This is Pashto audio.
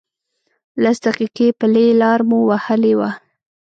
لس دقیقې پلی لاره مو وهلې وه.